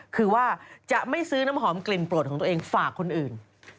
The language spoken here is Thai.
คือว่าจะไม่ซื้อน้ำหอมกลิ่นโปรดของตัวเองฝากคนอื่น